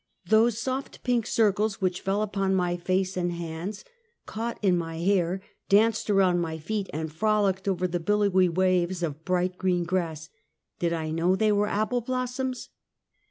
Those soft pink circles which fell upon mj face and hands, canght in my hair, danced aronnd my feet, and frolicked over the billowy waves of bright, green grass — did I know they were apple blossoms